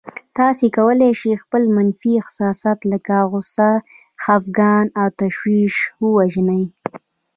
تاسې کولای شئ خپل منفي احساسات لکه غوسه، خپګان او تشويش ووژنئ.